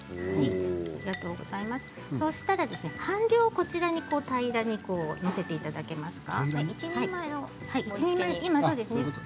そうしたら半量を平らに載せていただけますか？